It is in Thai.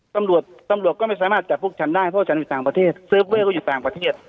ตำรวจก็ไม่สามารถจัดพวกฉันได้เพราะฉันอยู่ต่างประเทศ